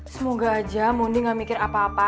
semoga aja mundi gak mikir apa apa